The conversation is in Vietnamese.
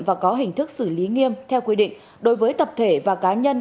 và có hình thức xử lý nghiêm theo quy định đối với tập thể và cá nhân